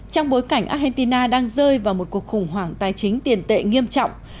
trong bối cảnh argentina đang rơi vào một cuộc khủng hoảng tài chính tiền tệ nghiêm trọng